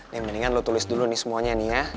yang mendingan lo tulis dulu nih semuanya nih ya